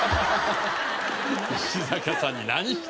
石坂さんに何してんだ。